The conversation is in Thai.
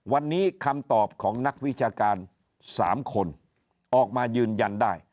วันนี้คำตอบของนักวิชาการ๓คนออกมายืนยันได้